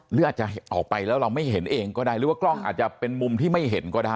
หรืออาจจะออกไปแล้วเราไม่เห็นเองก็ได้หรือว่ากล้องอาจจะเป็นมุมที่ไม่เห็นก็ได้